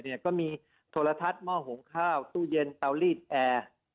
ใน๕๐๐หน่วยก็มีโทรทัศน์หม้อหกข้าวตู้เย็นเตาลีแอร์